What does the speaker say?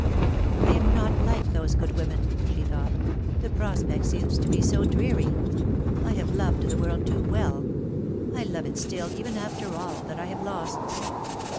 " I am not like those good women," she thought ;" the prospect seems to me so dreary. I have loved the world too well. I love it still, even after all that I have lost."